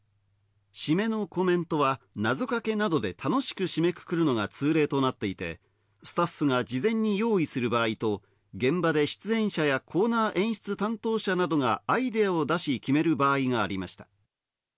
締めのコメントは謎かけなどで楽しく締めくくるのが通例となっていてスタッフが事前に用意する場合と現場で出演者やコーナー演出担当者などがアイデアを出し決める場合がありました。